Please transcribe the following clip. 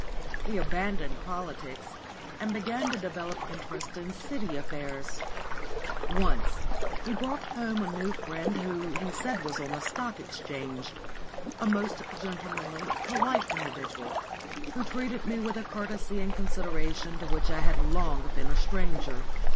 He abandoned politics and began to develop interest in City affairs. Once he brought home a new friend who he said was on the Stock Exchange a most gentlemanly, polite individual, who treated me with a courtesy and consideration to which I had long been a stranger.